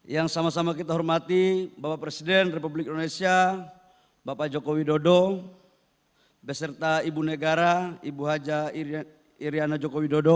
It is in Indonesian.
yang sama sama kita hormati bapak presiden republik indonesia bapak joko widodo beserta ibu negara ibu haja iryana joko widodo